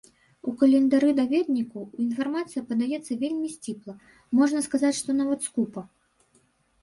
У календары-даведніку інфармацыя падаецца вельмі сціпла, можна сказаць, што нават скупа.